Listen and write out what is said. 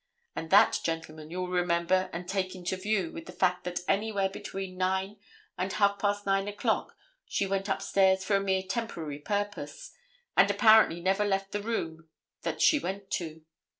And that, gentlemen, you will remember and take into view with the fact that anywhere between nine and half past nine o'clock she went upstairs for a mere temporary purpose, and apparently never left the room that she went to.